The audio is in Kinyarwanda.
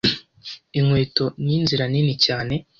Inkweto ninzira nini cyane.